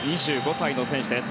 ２５歳の選手です。